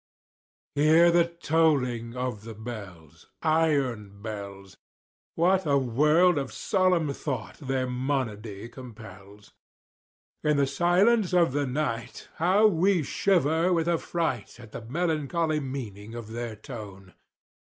IV. Hear the tolling of the bells— Iron bells! What a world of solemn thought their monody compels! In the silence of the night, How we shiver with affright At the melancholy meaning of their tone!